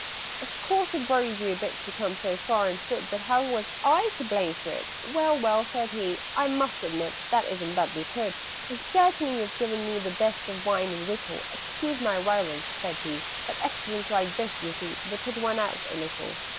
"Of course it worries you a bit To come so far on foot But how was I to blame for it?" "Well, well!" said he. "I must admit That isn't badly put. "And certainly you've given me The best of wine and victual Excuse my violence," said he, "But accidents like this, you see, They put one out a little.